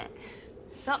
そう。